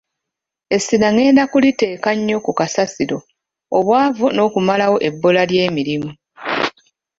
Essira ngenda kuliteeka nnyo ku kasasiro, obwavu n’okumalawo ebbula ly’emirimu.